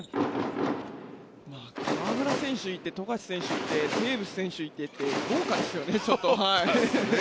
河村選手いて富樫選手いてテーブス選手いてって豪華ですよね。